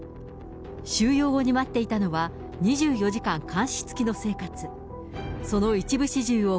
収容後に待っていたのは、２４時間監視付きの生活。